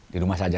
di rumah saja